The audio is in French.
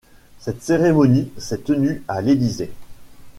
Cette cérémonie s'est tenue à l'Élysée.